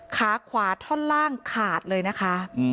ขาขวาท่อนล่างขาดเลยนะคะ